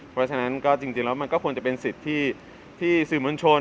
เพราะฉะนั้นก็จริงแล้วมันก็ควรจะเป็นสิทธิ์ที่สื่อมวลชน